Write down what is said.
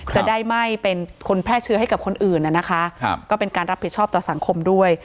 จะได้ไม่เป็นคนแพร่เชื้อให้กับคนอื่นนะคะก็เป็นการรับผิดชอบต่อสังคมด้วย